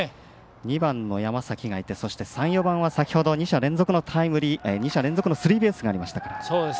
２番、山崎がいて３、４番は先ほど２者連続のスリーベースがありました。